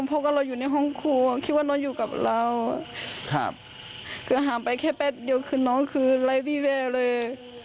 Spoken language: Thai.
เพราะว่าเราอยู่ในห้องครัวคิดว่าน้องอยู่กับเราคือหามไปแค่แป๊บเดียวคือน้องคือไร้วี่แววเลย